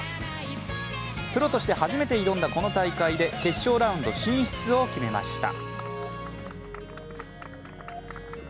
プロとして初めて挑んだこの大会で決勝ラウンド進出を決めました。